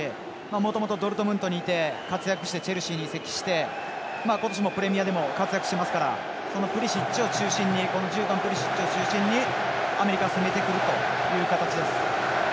もともとドルトムントにいて活躍してチェルシーに移籍して今年もプレミアで活躍していますから１０番プリシッチを中心にアメリカは攻めてくるという形です。